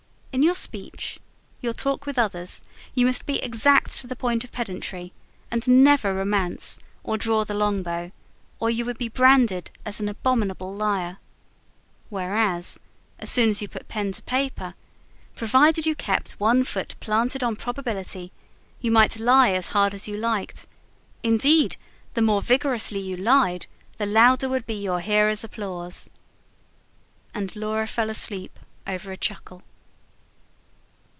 In your speech, your talk with others, you must be exact to the point of pedantry, and never romance or draw the long bow; or you would be branded as an abominable liar. Whereas, as soon as you put pen to paper, provided you kept one foot planted on probability, you might lie as hard as you liked: indeed, the more vigorously you lied, the louder would be your hearers' applause. And Laura fell asleep over a chuckle.